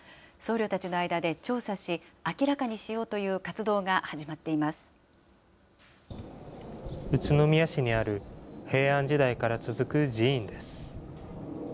僧侶たちの間で調査し、明らかにしようという活動が始まっていま宇都宮市にある平安時代から続く寺院です。